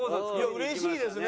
うれしいですね。